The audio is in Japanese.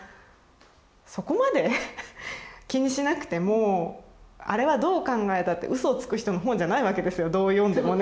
そこまで気にしなくてもあれはどう考えたって嘘をつく人の本じゃないわけですよどう読んでもね。